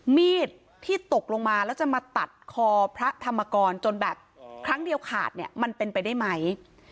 มีดที่ตกลงมาแล้วจะมาตัดคอพระธรรมกรจนแบบครั้งเดียวขาดเนี่ยมันเป็นไปได้ไหม